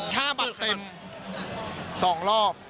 ๕บาทเต็ม๒รอบ